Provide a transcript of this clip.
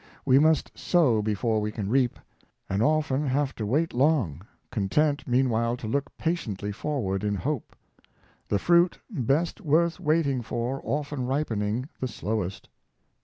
We must sow before we can reap, and often have to wait long, content meanwhile to look patiently forward in hope; the fruit best worth waiting for often ripening the slowest.